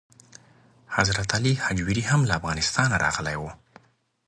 حضرت علي هجویري هم له افغانستانه راغلی و.